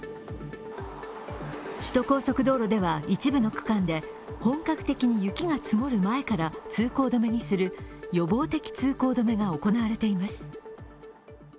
首都高速道路では一部の区間で本格的に雪が積もる前から通行止めにする予防的通行止めが行われています。